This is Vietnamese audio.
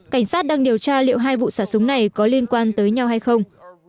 cảnh sát đang điều tra liệu hai vụ xả súng này có liên quan tới nhau hay không